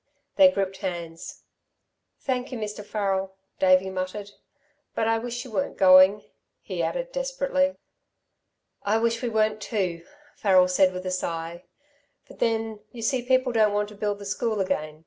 They gripped hands. "Thank you, Mr. Farrel," Davey muttered. "But I wish you weren't going," he added, desperately. "I wish we weren't too," Farrel said with a sigh, "but then you see people don't want to build the school again.